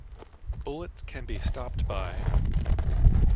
Bullets can be stopped by...